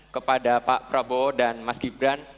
kepada pak prabowo dan mas gibran